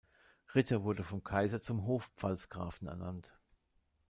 Ritter wurde vom Kaiser zum Hofpfalzgrafen ernannt.